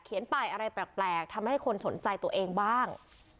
ไปอะไรแปลกทำให้คนสนใจตัวเองบ้าง